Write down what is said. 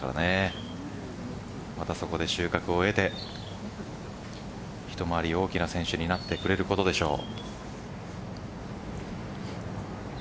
そこで収穫を得て一回り大きな選手になってくれることでしょう。